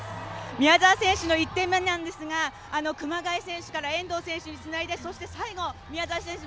宮澤選手の１点目ですが熊谷選手から遠藤選手につないでそして最後、宮澤選手